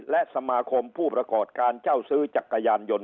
และสมาคมผู้ประกอบการเจ้าซื้อจักรยานยนต